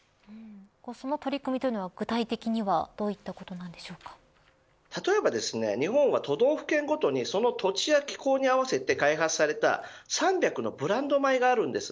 その取り組みというのは具体的には例えば日本は都道府県ごとにその土地や気候に合わせて開発された３００のブランド米があります。